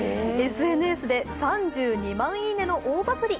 ＳＮＳで３２万いいねの大バズリ。